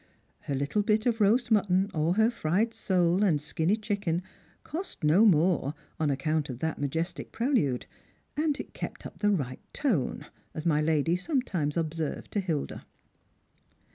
Her little bit of roast mutton, or her fried sole and skinny chicken, cost no more on account of that majestic prelude, and it kept up the right tone, as my lady sometimes observed to Hilda.